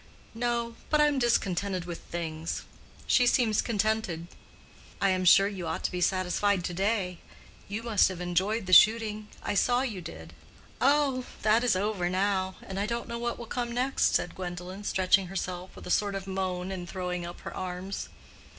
"No; but I am discontented with things. She seems contented." "I am sure you ought to be satisfied to day. You must have enjoyed the shooting. I saw you did." "Oh, that is over now, and I don't know what will come next," said Gwendolen, stretching herself with a sort of moan and throwing up her arms.